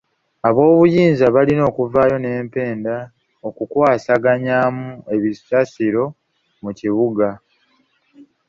Ab'obuyinza balina okuvaayo n'empenda okukwasaganyaamu ebisasiro mu bibuga.